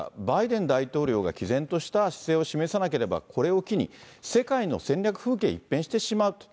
バイデン大統領がきぜんとした姿勢を示さなければ、これを機に世界の戦略風景、一変してしまう。